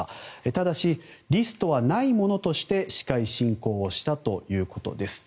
ただし、リストはないものとして司会進行をしたということです。